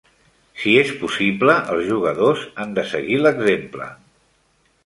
Si és possible, els jugadors han de seguir l'exemple.